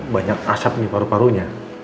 banyak asap paru parunya